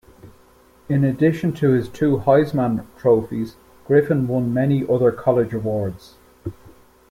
In addition to his two Heisman Trophies, Griffin won many other college awards.